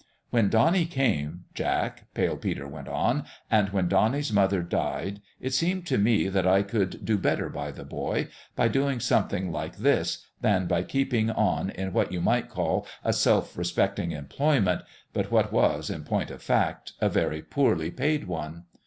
" When Donnie came, Jack," Pale Peter went on, " and when Bonnie's mother died, it seemed to me that I could do better by the boy, by doing something like this, than by keeping on in what you might call a self respecting employment, but what was, in point of fact, a very poorly paid one.